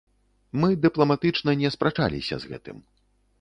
Мы дыпламатычна не спрачаліся з гэтым.